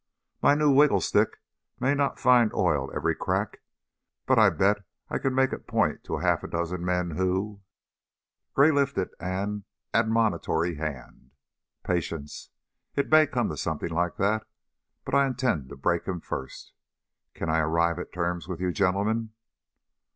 My new wiggle stick may not find oil every crack, but I bet I can make it point to half a dozen men who " Gray lifted an admonitory hand. "Patience! It may come to something like that, but I intend to break him first. Can I arrive at terms with you gentlemen?"